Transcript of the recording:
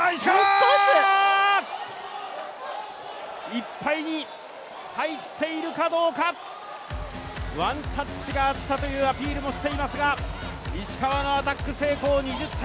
いっぱいに入っているかどうか、ワンタッチがあったというアピールもしていますが、石川のアタック、成功。